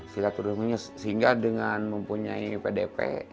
silaturahminya sehingga dengan mempunyai pdp